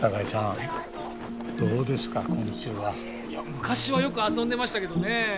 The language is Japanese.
昔はよく遊んでましたけどね